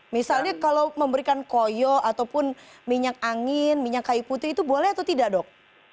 misalnya kalau memberikan koyo ataupun minyak angin minyak kayu putih itu boleh atau tidak dok